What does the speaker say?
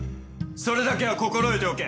それだけは心得ておけ！